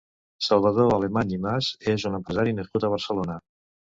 Salvador Alemany i Mas és un empresari nascut a Barcelona.